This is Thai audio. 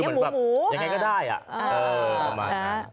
อย่างไรก็ได้อะ